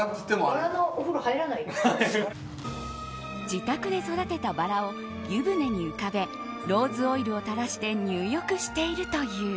自宅で育てたバラを湯船に浮かべローズオイルを垂らして入浴しているという。